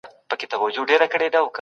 وهل د ماشوم شخصیت وژني.